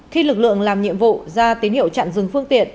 khi lực lượng làm nhiệm vụ ra tín hiệu chặn dừng phương tiện